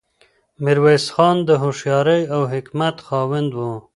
میرویس خان د هوښیارۍ او حکمت خاوند و.